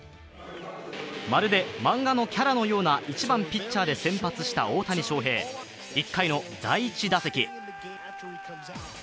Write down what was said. まるで漫画のキャラのような１番ピッチャーで登場した大谷翔平１回の第１打席。